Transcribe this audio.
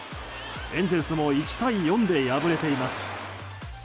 エンゼルスも１対４で敗れています。